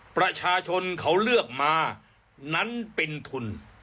ประชาชนเขาเลือกมานั้นเป็นทุน